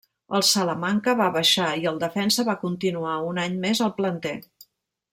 El Salamanca va baixar i el defensa va continuar un any més al planter.